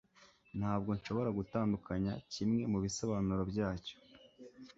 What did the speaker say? Ntabwo nshobora gutandukanya kimwe mubisobanuro byacyo